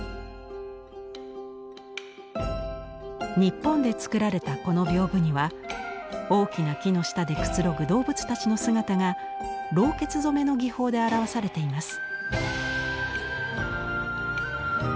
日本で作られたこの風には大きな木の下でくつろぐ動物たちの姿が「ろうけつ染め」の技法で表されています。